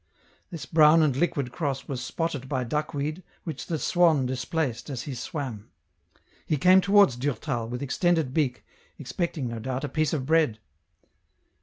This brown and liquid cross was spotted by duckweed, which the swan displaced as he swam. He came towards Durtal, with extended beak, expecting, no doubt, a piece of bread.